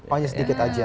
oh ya sedikit aja